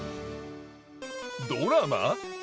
ドラマ？